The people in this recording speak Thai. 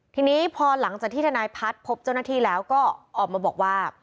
ทีนี้พอหลังจากที่ทนายพัฒน์พบเจ้าหน้าที่แล้วก็ออกมาบอกว่า